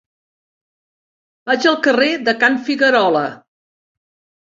Vaig al carrer de Can Figuerola.